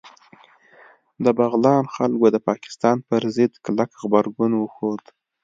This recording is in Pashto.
د بغلان خلکو د پاکستان پر ضد کلک غبرګون وښود